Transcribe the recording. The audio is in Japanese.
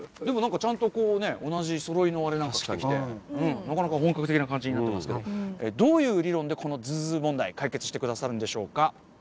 でもなんかちゃんとこうね同じそろいのあれなんか着てきてなかなか本格的な感じになってますけどどういう理論でこのズズズ問題解決してくださるんでしょうか。